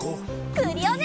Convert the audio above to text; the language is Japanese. クリオネ！